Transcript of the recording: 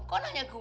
kok nanya gue sih